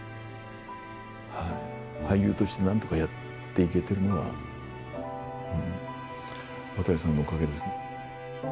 俳優としてなんとかやっていけてるのは、渡さんのおかげですね。